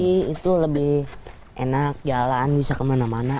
sekarang lebih itu lebih enak jalan bisa kemana mana